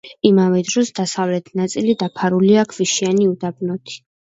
იმავე დროს დასავლეთ ნაწილი დაფარულია ქვიშიანი უდაბნოთი.